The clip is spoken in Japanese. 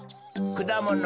くだもの。